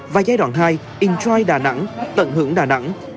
và giai đoạn hai intrai đà nẵng tận hưởng đà nẵng